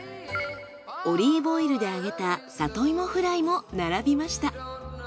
オリーブオイルで揚げた里芋フライも並びました。